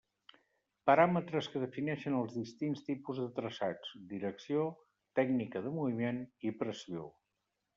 Paràmetres que definixen els distints tipus de traçats: direcció, tècnica de moviment i pressió.